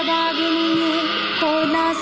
มาสิก้าว